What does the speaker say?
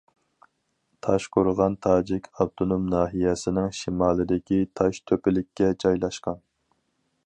تاشقورغان تاجىك ئاپتونوم ناھىيەسىنىڭ شىمالىدىكى تاش تۆپىلىككە جايلاشقان.